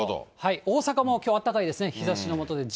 大阪もきょう暖かいですね。